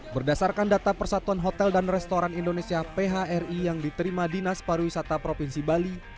berdasarkan data persatuan hotel dan restoran indonesia phri yang diterima dinas pariwisata provinsi bali